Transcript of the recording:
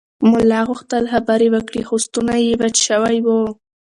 ملا غوښتل خبرې وکړي خو ستونی یې وچ شوی و.